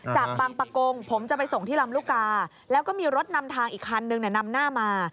จากบางประกงผมจะไปส่งที่ลำลูกกาแล้วก็มีรถนำทางอีกคันนึงนำหน้ามา